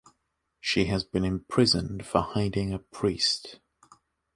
She had been imprisoned for hiding a priest.